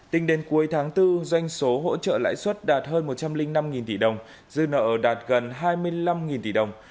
tính đến cuối tháng bốn doanh số hỗ trợ lãi suất đạt hơn một trăm linh năm tỷ đồng dư nợ đạt gần hai mươi năm tỷ đồng